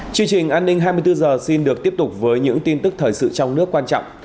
chương trình an ninh hai mươi bốn h xin được tiếp tục với những tin tức thời sự trong nước quan trọng